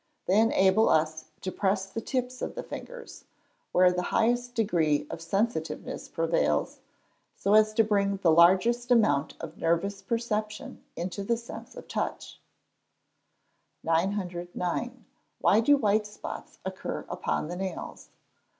They enable us to press the tips of the fingers, where the highest degree of sensitiveness prevails, so as to bring the largest amount of nervous perception into the sense of touch. 909. _Why do white spots occur upon the nails?